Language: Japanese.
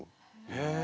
へえ。